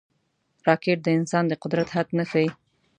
راکټ د انسان د قدرت حد نه ښيي